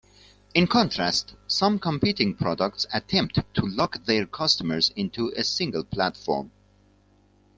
In contrast, some competing products attempt to lock their customers into a single platform.